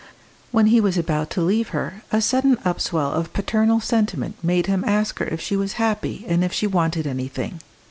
When he was about to leave her a sudden upswell of paternal sentiment made him ask her if she was happy and if she wanted anything.